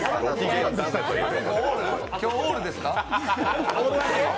今日、オールですか？